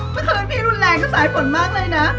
เมื่อคืนพี่รุนแรงก็สายฝนมากเลยนะ